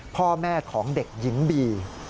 พ่อแม่ของเด็กหญิงบี